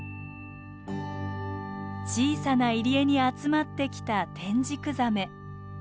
小さな入り江に集まってきたテンジクザメ。